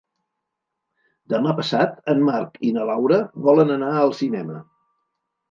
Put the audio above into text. Demà passat en Marc i na Laura volen anar al cinema.